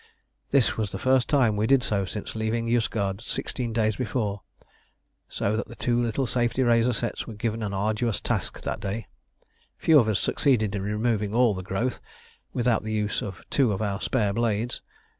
This was the first time we did so since leaving Yozgad sixteen days before, so that the two little safety razor sets were given an arduous task that day: few of us succeeded in removing all the growth without the use of two of our spare blades.